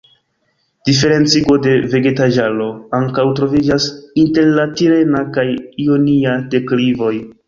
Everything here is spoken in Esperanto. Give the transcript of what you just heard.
Diferencigo de vegetaĵaro ankaŭ troviĝas inter la tirena kaj ionia deklivoj.